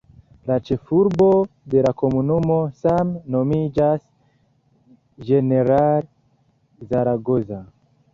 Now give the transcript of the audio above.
La ĉefurbo de la komunumo same nomiĝas "General Zaragoza".